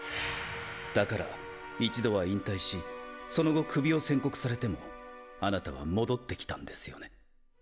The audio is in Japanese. だから一度は引退しその後クビを宣告されても貴方は戻ってきたんですよね。